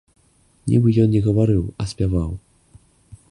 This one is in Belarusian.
Нібы ён не гаварыў, а спяваў.